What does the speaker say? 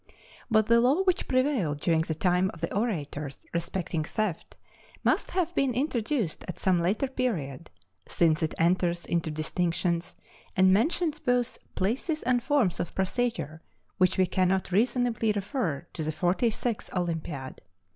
But the law which prevailed during the time of the orators respecting theft must have been introduced at some later period, since it enters into distinctions and mentions both places and forms of procedure, which we cannot reasonably refer to the forty sixth Olympiad.